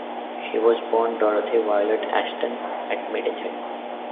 She was born Dorothy Violet Ashton at Maidenhead.